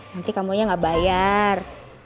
nanti kamu aja gak bayar